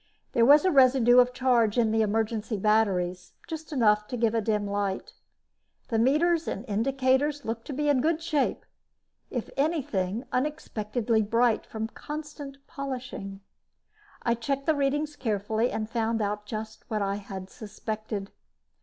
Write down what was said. There was a residue of charge in the emergency batteries, just enough to give a dim light. The meters and indicators looked to be in good shape; if anything, unexpectedly bright from constant polishing. I checked the readings carefully and found just what I had suspected.